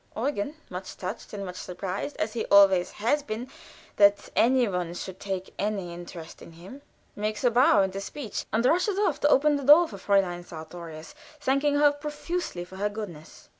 Eugen, much touched and much surprised (as he always is and has been) that any one should take an interest in him, makes a bow, and a speech, and rushes off to open the door for Fräulein Sartorius, thanking her profusely for her goodness.